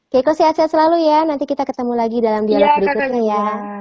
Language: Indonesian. keiko sehat sehat selalu ya nanti kita ketemu lagi dalam dialog berikutnya ya